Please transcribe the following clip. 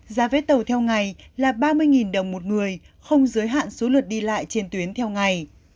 giá vé tàu theo ngày là ba mươi đồng một người không giới hạn số lượt đi lại trên tuyến theo ngày